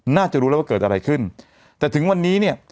น่าจะรู้แล้วว่าเกิดอะไรขึ้นแต่ถึงวันนี้เนี่ย